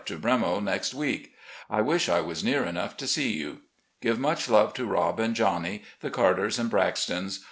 to 'Bremo' next week. I wish I was near enough to see you. Give much love to Rob and Johnny, the Carters and Braxtons.